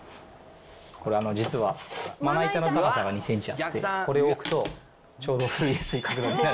これ、実はまな板の高さが２センチあって、これを置くと、ちょうどふる